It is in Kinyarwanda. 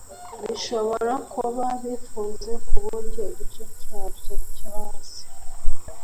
bishobora kuba bifunze ku buryo igice cyabyo cyo hasi.